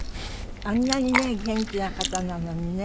あんなにね元気な方なのにね。